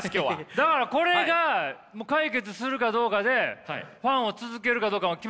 だからこれが解決するかどうかでファンを続けるかどうかが決まりますよね？